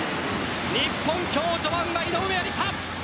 日本、今日序盤は井上愛里沙。